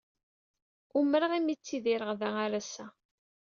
Umreɣ mi ttidireɣ da ar ass-a.